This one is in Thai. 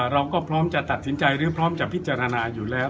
เราก็พร้อมจะตัดสินใจหรือพร้อมจะพิจารณาอยู่แล้ว